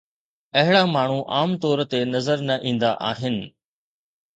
اهڙا ماڻهو عام طور تي نظر نه ايندا آهن.